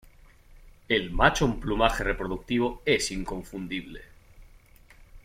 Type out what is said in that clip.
El macho en plumaje reproductivo es inconfundible.